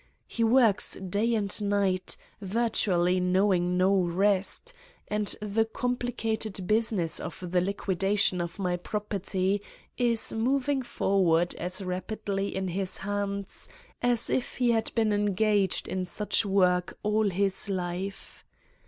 He works day and night, virtually knowing no rest, and the com plicated business of the liquidation of my prop erty is moving forward as rapidly in his hands as if he had been engaged in such work all his life.